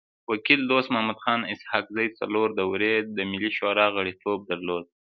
وکيل دوست محمد خان اسحق زی څلور دوري د ملي شورا غړیتوب درلود.